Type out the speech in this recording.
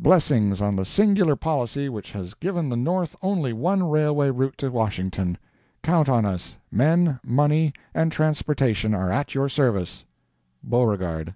Blessings on the singular policy which has given the North only one railway route to Washington! Count on us. Men, money, and transporation are at your service. Beauregard.